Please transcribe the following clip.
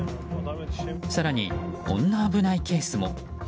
更にこんな危ないケースも。